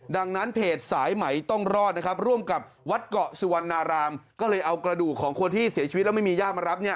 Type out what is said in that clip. ดังนั้นเพจสายไหมต้องรอดนะครับร่วมกับวัดเกาะสุวรรณารามก็เลยเอากระดูกของคนที่เสียชีวิตแล้วไม่มีย่ามารับเนี่ย